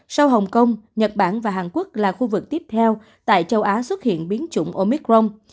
sau hồng kông nhật bản và hàn quốc là khu vực tiếp theo tại châu á xuất hiện biến chủng omicron